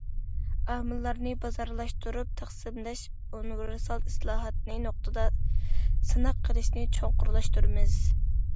ئامىللارنى بازارلاشتۇرۇپ تەقسىملەش ئۇنىۋېرسال ئىسلاھاتىنى نۇقتىدا سىناق قىلىشنى چوڭقۇرلاشتۇرىمىز.